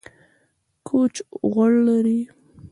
کوچ غوړ لري